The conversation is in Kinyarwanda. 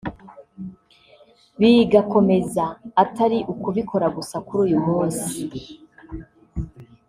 bigakomeza atari ukubikora gusa kuri uyu munsi